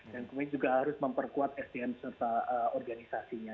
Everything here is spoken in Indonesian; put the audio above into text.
dan kemudian juga harus memperkuat sdm serta organisasinya